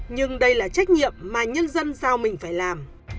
nhưng đây là trách nhiệm mà nhân dân giao mình phải làm